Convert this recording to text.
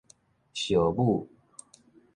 邵武